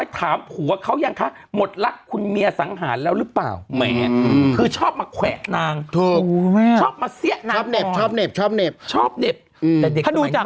ถ้าดูจาก